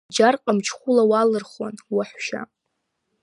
Аџьар ҟамчхәыла уалырхуан, уаҳәшьа.